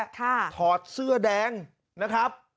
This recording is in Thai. ถอดเสื้อแดงนะครับ